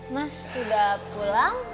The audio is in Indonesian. mas sudah pulang